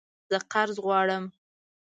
زه قرض غواړم